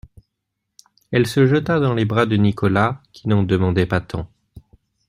Elle se jeta dans les bras de Nicolas, qui n’en demandait pas tant.